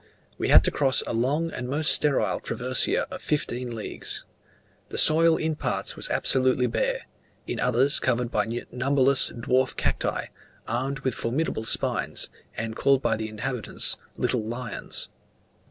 We had to cross a long and most sterile traversia of fifteen leagues. The soil in parts was absolutely bare, in others covered by numberless dwarf cacti, armed with formidable spines, and called by the inhabitants "little lions."